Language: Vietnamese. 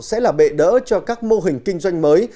sẽ là bệ đỡ cho các mô hình kinh doanh mới